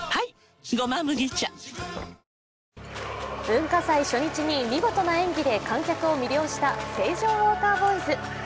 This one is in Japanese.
文化祭初日に見事な演技で観客を魅了した成城ウォーターボーイズ。